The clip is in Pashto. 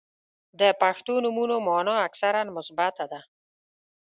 • د پښتو نومونو مانا اکثراً مثبته ده.